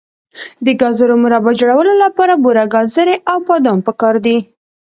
د ګازرو مربا جوړولو لپاره بوره، ګازرې او بادام پکار دي.